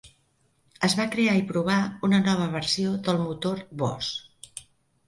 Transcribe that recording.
Es va crear i provar una nova versió del motor Boss.